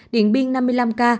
điện biên năm mươi năm ca